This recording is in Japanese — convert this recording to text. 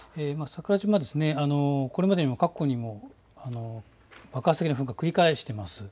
桜島、これまでにも過去にも爆発的な噴火を繰り返しています。